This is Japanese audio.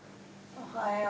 おはよう。